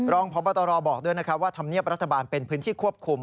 รองพบตรบอกด้วยนะครับว่าธรรมเนียบรัฐบาลเป็นพื้นที่ควบคุม